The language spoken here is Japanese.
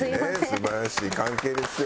素晴らしい関係ですよ。